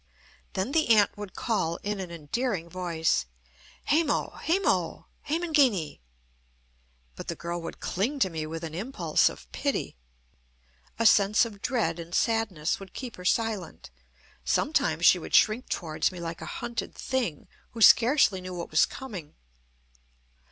Then the aunt would call, in an endearing voice: "Hemo! Hemo! Hemangini." But the girl would cling to me with an impulse of pity. A sense of dread and sadness would keep her silent. Sometimes she would shrink towards me like a hunted thing, who scarcely knew what was coming.